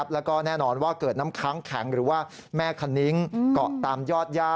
แล้วก็แน่นอนว่าเกิดน้ำค้างแข็งหรือว่าแม่คณิ้งเกาะตามยอดย่า